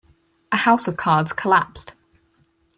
A house of cards collapsed.